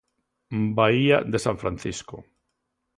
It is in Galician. Baía de San Francisco.